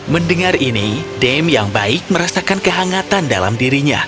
mendengar ini dame yang baik merasakan kehangatan dalam dirinya